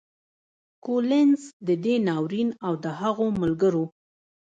کولینز د دې ناورین او د هغو ملګرو